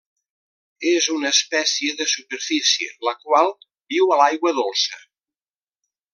És una espècie de superfície, la qual viu a l'aigua dolça.